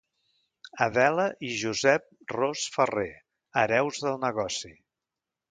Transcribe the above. Adela i Josep Ros Ferrer, hereus del negoci.